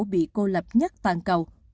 bị cô lập nhất toàn cầu